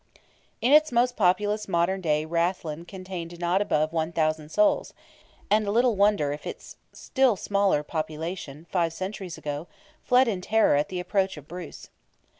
In its most populous modern day Rathlin contained not above 1,000 souls, and little wonder if its still smaller population, five centuries ago, fled in terror at the approach of Bruce.